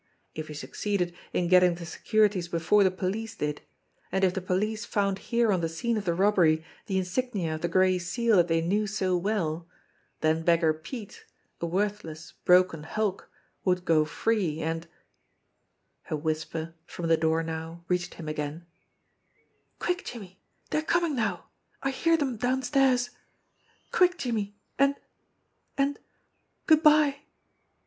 If he suc ceeded in getting the securities before the police did, and if 124 JIMMIE DALE AND THE PHANTOM CLUE the police found here on the scene of the robbery the in signia of the Gray Seal that they knew so well, then Beggar Pete, a worthless, broken hulk, would go free, and Her whisper, from the door now, reached him again : "Quick, Jimmie! They're coming now. I hear them downstairs. Quick, Jimmie, and and good bye!"